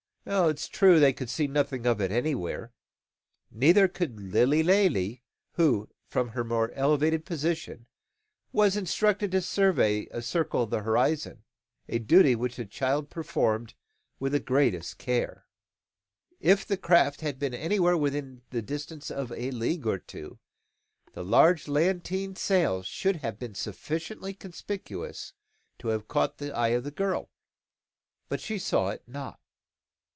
It is true they could see nothing of it anywhere; neither could Lilly Lalee, who, from her more elevated position, was instructed to survey the circle of the horizon, a duty which the child performed with the greatest care. If the craft had been anywhere within the distance of a league or two, the large lateen sail should have been sufficiently conspicuous to have caught the eye of the girl. But she saw it not.